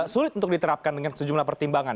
sulit untuk diterapkan dengan sejumlah pertimbangan